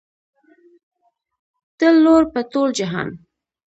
ته لوړ په ټول جهان